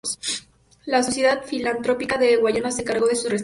La Sociedad Filantrópica del Guayas se encargó de su restauración.